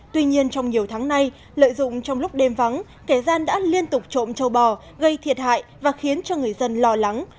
tuy nhiên trong nhiều tháng nay lợi dụng trong lúc đêm vắng kẻ gian đã liên tục trộm châu bò gây thiệt hại và khiến cho người dân lo lắng